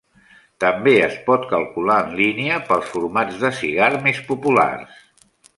També es pot calcular en línia pels formats de cigar més populars.